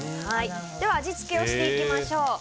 では味付けをしていきましょう。